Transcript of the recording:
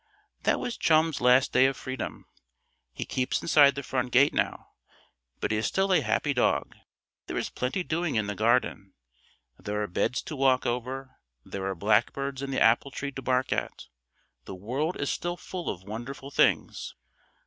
That was Chum's last day of freedom. He keeps inside the front gate now. But he is still a happy dog; there is plenty doing in the garden. There are beds to walk over, there are blackbirds in the apple tree to bark at. The world is still full of wonderful things.